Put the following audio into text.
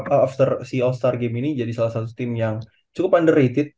after si all star game ini jadi salah satu tim yang cukup underrated